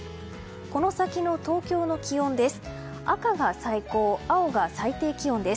この先の東京の気温です。